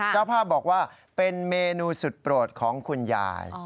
เจ้าภาพบอกว่าเป็นเมนูสุดโปรดของคุณยาย